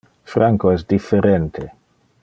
Franco es differente.